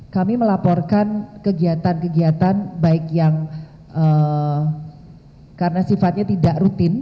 kami melaporkan kegiatan kegiatan baik yang karena sifatnya tidak rutin